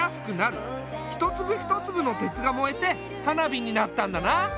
一粒一粒の鉄が燃えて花火になったんだな。